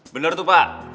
bener tuh pak